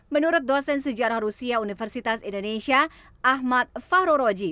menurut dosen sejarah rusia universitas indonesia ahmad fahroroji